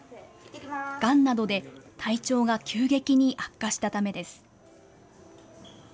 がんなどで体調が急激に悪化したためです。